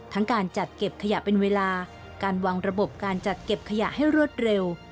การจัดเก็บขยะเป็นเวลาการวางระบบการจัดเก็บขยะให้รวดเร็ว